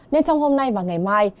nên trong hôm nay và ngày mai